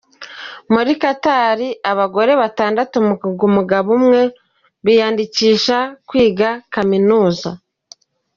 Muri Qatar abagore batandatu ku mugabo umwe biyandikisha kwiga Kaminuza.